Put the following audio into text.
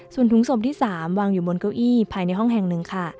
ส่วนถุงศพที่๓วางอยู่บนเก้าอี้ภายในห้องแห่งหนึ่งค่ะ